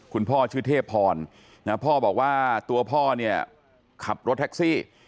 พ่อชื่อเทพพรพ่อบอกว่าตัวพ่อเนี่ยขับรถแท็กซี่